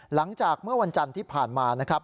หลังจากเมื่อวันจันทร์ที่ผ่านมานะครับ